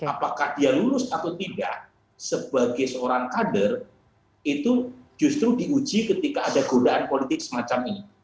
apakah dia lulus atau tidak sebagai seorang kader itu justru diuji ketika ada godaan politik semacam ini